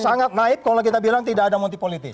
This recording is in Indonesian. sangat naif kalau kita bilang tidak ada motif politis